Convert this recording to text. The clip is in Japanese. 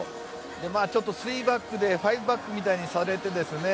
まあちょっと３バックで５バックみたいにされてですね